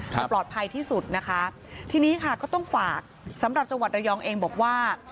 จะปลอดภัยที่สุดนะคะทีนี้ค่ะก็ต้องฝากสำหรับจังหวัดระยองเองบอกว่า